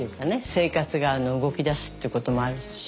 生活が動きだすっていうこともあるし